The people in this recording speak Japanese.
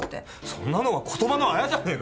そんなのは言葉のあやじゃねえかよ。